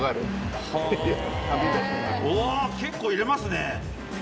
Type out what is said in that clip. うわ結構入れますね。